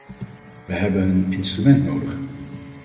We hebben een instrument nodig.